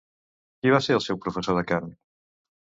Qui va ser el seu professor de cant?